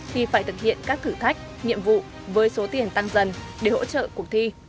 thì phải thực hiện các thử thách nhiệm vụ với số tiền tăng dần để hỗ trợ cuộc thi